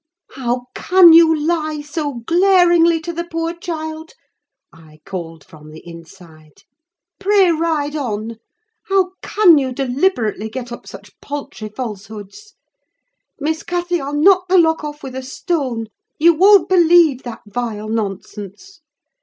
"How can you lie so glaringly to the poor child?" I called from the inside. "Pray ride on! How can you deliberately get up such paltry falsehoods? Miss Cathy, I'll knock the lock off with a stone: you won't believe that vile nonsense.